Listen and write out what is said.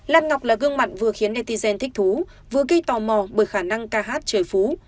lan ngọc là gương mặt vừa khiến netigen thích thú vừa gây tò mò bởi khả năng ca hát trời phú